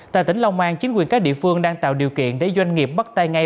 tại tỉnh long an chính quyền các địa phương đang tạo điều kiện để doanh nghiệp bắt tay ngay